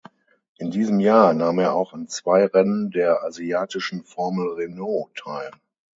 In diesem Jahr nahm er auch an zwei Rennen der Asiatischen Formel Renault teil.